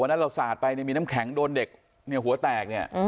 วันนั้นเราสาดไปมีน้ำแข็งโดนเด็กหัวแตก